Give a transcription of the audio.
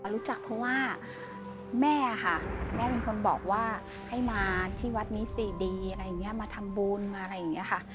รู้จักเพราะว่าแม่ค่ะแม่เป็นคนบอกว่าให้มาที่วัดนี้สิดีอะไรอย่างนี้มาทำบุญมาอะไรอย่างนี้ค่ะ